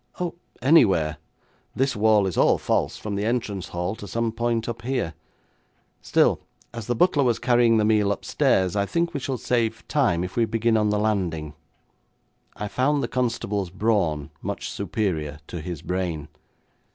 'Oh, anywhere; this wall is all false from the entrance hall to some point up here. Still, as the butler was carrying the meal upstairs I think we shall save time if we begin on the landing.' I found the constable's brawn much superior to his brain.